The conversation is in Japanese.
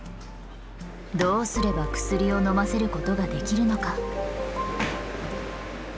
どうすれば薬を飲ませることができるのか。